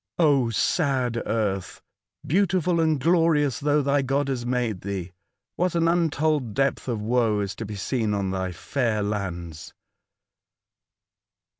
O sad earth ! beautiful and glorious though thy God has made thee ! what an untold depth of woe is to be seen on thy fair lands